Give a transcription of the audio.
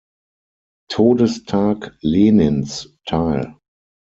Todestag Lenins teil.